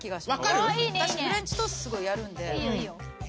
私フレンチトーストすごいやるんで。